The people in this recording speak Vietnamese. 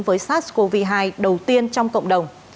với sars cov hai đầu tiên trong cộng đồng